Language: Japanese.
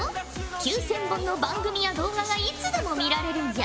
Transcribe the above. ９，０００本の番組や動画がいつでも見られるんじゃ。